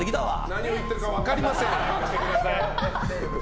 何を言ってるのか分かりません。